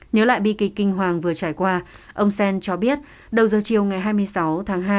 nhớ lại bi kịch kinh hoàng vừa trải qua ông sen cho biết đầu giờ chiều ngày hai mươi sáu tháng hai